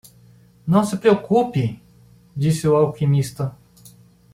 "Não se preocupe?", disse o alquimista.